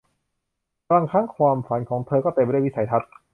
บางครั้งความฝันของเธอก็เต็มไปด้วยวิสัยทัศน์